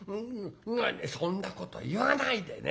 「そんなこと言わないで。ね？